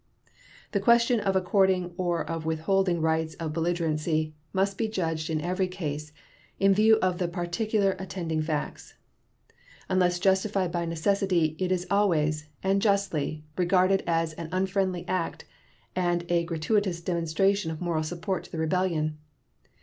The question of according or of withholding rights of belligerency must be judged in every case in view of the particular attending facts. Unless justified by necessity, it is always, and justly, regarded as an unfriendly act and a gratuitous demonstration of moral support to the rebellion.